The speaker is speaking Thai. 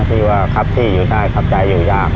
ที่ว่าครับที่อยู่ได้ครับใจอยู่ยาก